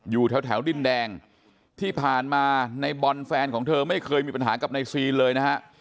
อยู่แถวดินแดงที่ผ่านมาในบอลแฟนของเธอไม่เคยมีปัญหากับนายซีนเลยนะฮะ